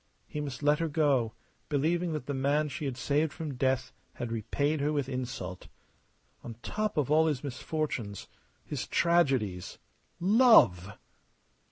He must let her go, believing that the man she had saved from death had repaid her with insult. On top of all his misfortunes, his tragedies love!